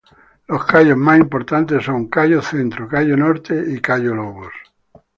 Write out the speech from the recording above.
Los cayos más importantes son: Cayo Centro, Cayo Norte y Cayo Lobos.